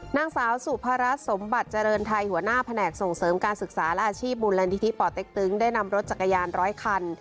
นางสาวสุภารัฐสมบัติเจริญไทยหัวหน้าแผนกส่งเสริมการศึกษาและอาชีพมูลนิธิป่อเต็กตึงได้นำรถจักรยานร้อยคัน